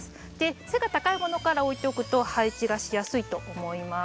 背が高いものから置いておくと配置がしやすいと思います。